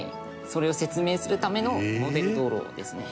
それを説明するためのモデル道路ですね。